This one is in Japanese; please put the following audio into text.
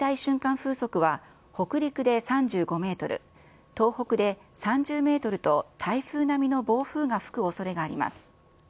風速は北陸で３５メートル、東北で３０メートルと台風並みの暴風が吹くおそれがあります。